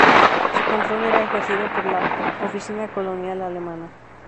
Su control era ejercido por la Oficina Colonial Alemana.